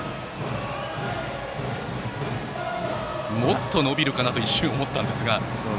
もっと伸びるかなと一瞬思ったんですが。